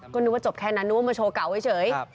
ก็นึกว่าจบแค่นั้นนึกว่ามาโชว์เก่าเฉย